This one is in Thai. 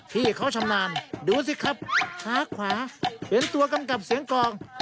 พี่เขาชำนาญดูสิครับขาขวาเห็นตัวกำกับเสียงกอง